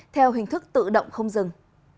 theo hình thức tự động không dừng